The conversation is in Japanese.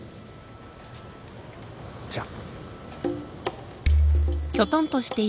じゃあ。